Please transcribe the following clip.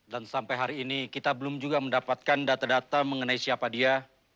dan sampai hari ini kita belum juga mendapatkan data data mengenai siapa dia